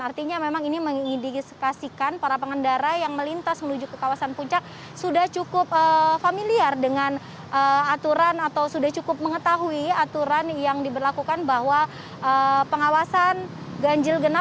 artinya memang ini mengindikasikan para pengendara yang melintas menuju ke kawasan puncak sudah cukup familiar dengan aturan atau sudah cukup mengetahui aturan yang diberlakukan bahwa pengawasan ganjil genap